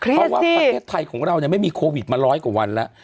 เพราะว่าประทัยของเราเนี่ยไม่มีโควิดมา๑๐๐กว่าวันละ